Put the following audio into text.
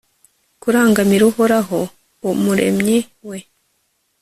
kurangamira uhoraho, umuremyi we